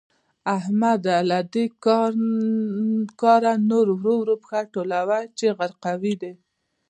احمده؛ له دې کاره نور ورو ورو پښه ټولوه چې غرقوي دي.